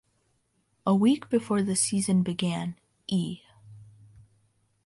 A week before the season began, E!